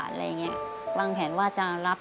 เพลงที่๔มูลค่า๖๐๐๐๐บาท